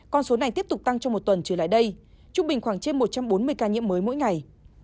con số này tiếp tục tăng trong một tuần trở lại đây trung bình khoảng trên một trăm bốn mươi ca nhiễm mới mỗi ngày